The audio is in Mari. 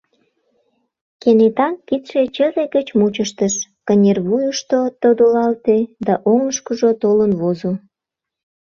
Кенета кидше чызе гыч мучыштыш, кынервуйышто тодылалте да оҥышкыжо толын возо.